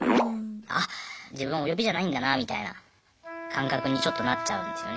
あっ自分はお呼びじゃないんだなみたいな感覚にちょっとなっちゃうんですよね。